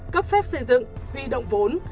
cấp phép xây dựng huy động vốn